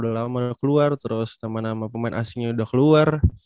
udah lama keluar terus nama nama pemain asingnya udah keluar